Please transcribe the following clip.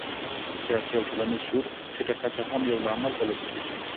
سیاسي او ټولنیز شعور ټیټه کچه هم یو لامل بلل کېږي.